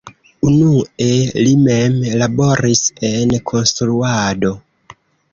Unue li mem laboris en konstruado.